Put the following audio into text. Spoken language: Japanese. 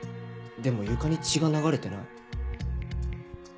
でも床に血が流れてない。